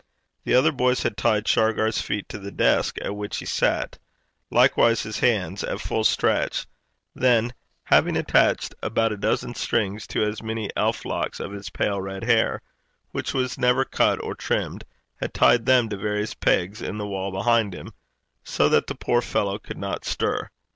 The other boys had tied Shargar's feet to the desk at which he sat likewise his hands, at full stretch; then, having attached about a dozen strings to as many elf locks of his pale red hair, which was never cut or trimmed, had tied them to various pegs in the wall behind him, so that the poor fellow could not stir.